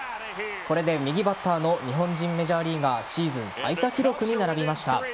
これで右バッターの日本人メジャーリーガーシーズン最多タイ記録に並びました。